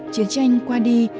chiến tranh qua đi